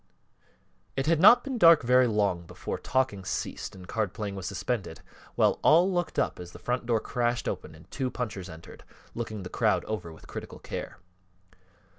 It had not been dark very long before talking ceased and card playing was suspended while all looked up as the front door crashed open and two punchers entered, looking the crowd over with critical care.